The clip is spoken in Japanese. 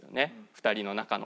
２人の中の。